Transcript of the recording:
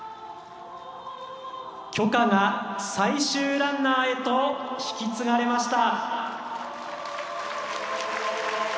炬火が最終ランナーへと引き継がれました。